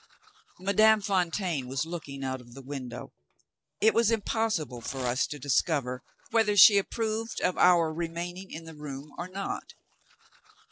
Madame Fontaine was looking out of the window. It was impossible for us to discover whether she approved of our remaining in the room or not.